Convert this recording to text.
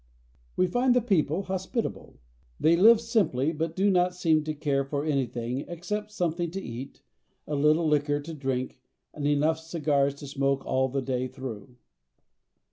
We find the people hospitable. They live simply, but do not seem to care for anything except something to eat, a little Hquor to drink, and enough cigars to smoke all the day through.